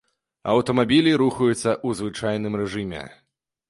Аўтамабілі рухаюцца ў звычайным рэжыме.